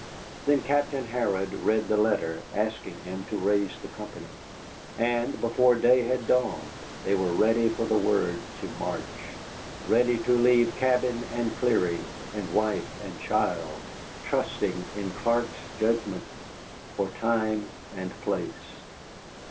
Then Captain Harrod read the letter asking him to raise the company, and before day had dawned they were ready for the word to march ready to leave cabin and clearing, and wife and child, trusting in Clark's judgment for time and place.